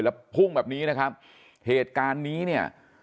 แล้วพุ่งแบบนี้นะครับเหตุการณ์นี้เนี่ย